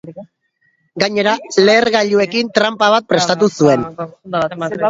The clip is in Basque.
Gainera, lehergailuekin tranpa bat prestatu zuen.